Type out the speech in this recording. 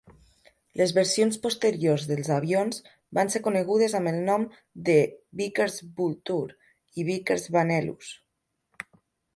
Les versions posteriors dels avions van ser conegudes amb el nom de Vickers Vulture i Vickers Vanellus.